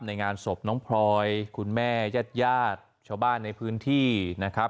งานศพน้องพลอยคุณแม่ญาติญาติชาวบ้านในพื้นที่นะครับ